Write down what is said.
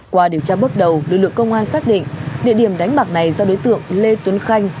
qua điều tra bước đầu lực lượng công an xác định địa điểm đánh bạc này do đối tượng lê tuấn khanh